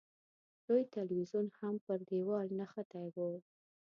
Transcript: لوی تلویزیون هم پر دېوال نښتی و.